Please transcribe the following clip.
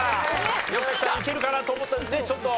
宮崎さんいけるかなと思ったけどねちょっと。